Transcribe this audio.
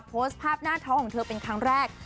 โพสต์ภาพหน้าท้องของเธอเป็นครั้งแรก